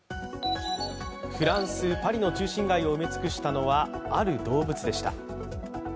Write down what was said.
フランス・パリの中心街を埋め尽くしたのはある動物でした。